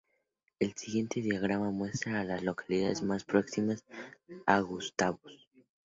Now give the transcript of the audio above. El siguiente diagrama muestra a las localidades más próximas a Gustavus.